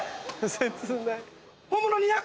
切ない。